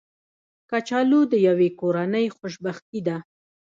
کچالو د یوې کورنۍ خوشبختي ده